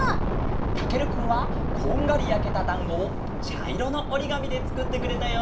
たけるくんはこんがりやけただんごをちゃいろのおりがみでつくってくれたよ。